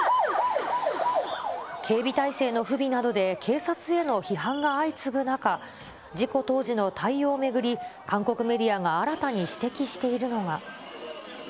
警備体制の不備などで警察への批判が相次ぐ中、事故当時の対応を巡り、韓国メディアが新たに指摘しているのが。